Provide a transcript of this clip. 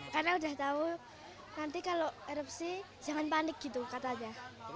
karena udah tahu nanti kalau erupsi jangan panik gitu katanya